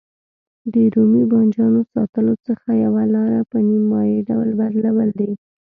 د رومي بانجانو ساتلو څخه یوه لاره په نیم مایع ډول بدلول دي.